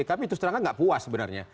kami terus terangkan nggak puas sebenarnya